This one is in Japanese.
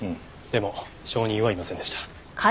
でも証人はいませんでした。